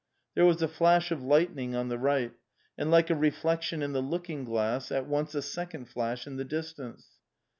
There was a flash of lightning on the right, and, like a reflection in the looking glass, at once a second flash in the distance.